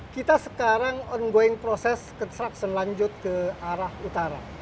kita sekarang ongoing proses construction lanjut ke arah utara